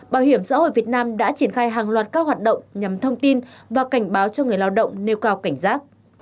bảo hiểm xã hội việt nam đã triển khai hàng loạt các hoạt động nhằm thông tin và cảnh báo cho người lao động nêu cao cảnh giác